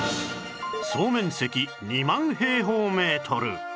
総面積２万平方メートル